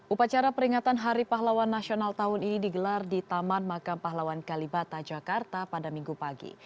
upacara peringatan hari pahlawan nasional tahun ini digelar di taman makam pahlawan kalibata jakarta pada minggu pagi